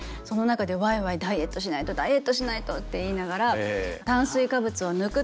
その中でワイワイ「ダイエットしないとダイエットしないと」って言いながら。